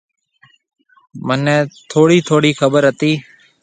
مھنيَ ٿوڙِي ٿوڙِي خبر ھتِي۔